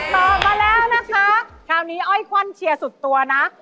ตอบมาแล้วนะคะคราวนี้อ้อยควันเชียร์สุดตัวนะ